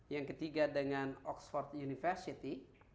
yang ketiga dengan oxford university